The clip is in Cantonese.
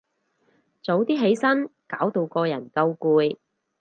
早啲起身，搞到個人夠攰